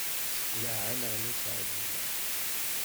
Tessexleɛ-aneɣ Nna Seɛdiya.